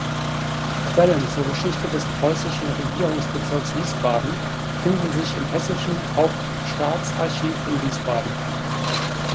Quellen zur Geschichte des preußischen Regierungsbezirks Wiesbaden finden sich im Hessischen Hauptstaatsarchiv in Wiesbaden.